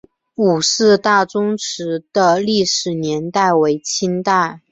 伍氏大宗祠的历史年代为清代。